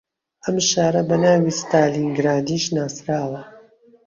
ئەم شارە بە ناوی ستالینگرادیش ناسراوە